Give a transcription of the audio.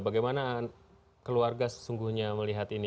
bagaimana keluarga sesungguhnya melihat ini